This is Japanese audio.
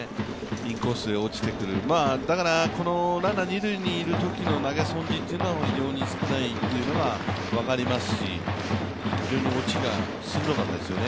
インコースで落ちてくる、このランナー二塁にいるときの投げ損じというのは非常に少ないというのが分かりますし非常に落ちが鋭かったですよね。